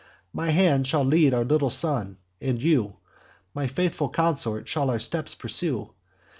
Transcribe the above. My hand shall lead our little son; and you, My faithful consort, shall our steps pursue.